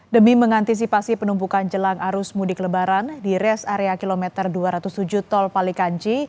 demi mengantisipasi penumpukan jelang arus mudik lebaran di res area kilometer dua ratus tujuh tol palikanci